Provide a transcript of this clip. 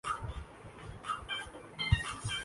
Dollar سستا ہے۔